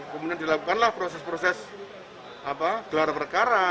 kemudian dilakukanlah proses proses gelar perkara